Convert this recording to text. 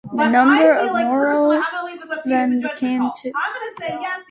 The number of morae then becomes two.